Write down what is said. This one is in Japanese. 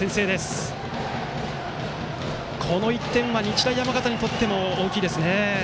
この１点は日大山形にとっても大きいですね。